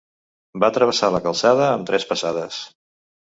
Va travessar la calçada amb tres passades.